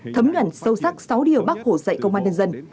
thấm ngẩn sâu sắc sáu điều bác hổ dạy công an nhân dân